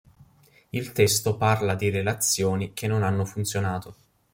Il testo parla di relazioni che non hanno funzionato.